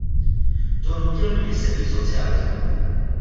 Donutil mě se víc socializovat.